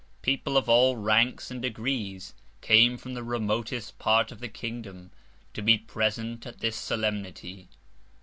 People of all Ranks and Degrees came from the remotest Part of the Kingdom to be present at this Solemnity.